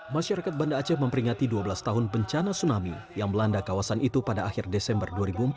masyarakat banda aceh memperingati dua belas tahun bencana tsunami yang melanda kawasan itu pada akhir desember dua ribu empat belas